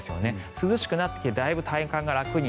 涼しくなってきてだいぶ体感が楽に。